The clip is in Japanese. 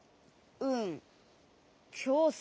うん。